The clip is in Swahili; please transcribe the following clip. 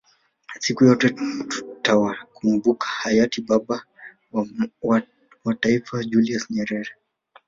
Siku zote tutawakumbuka Hayati Baba wa taifa Mwalimu Julius Nyerere